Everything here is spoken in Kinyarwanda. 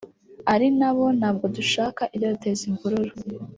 ari nabo ntabwo dushaka ibyaduteza imvururu